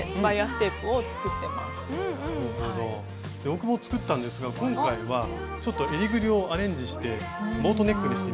僕も作ったんですが今回はちょっとえりぐりをアレンジしてボートネックにしてみました。